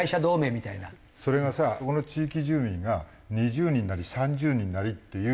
それがさそこの地域住民が２０人なり３０人なりっていう